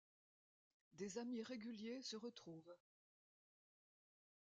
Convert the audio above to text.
Des amis réguliers se retrouvent.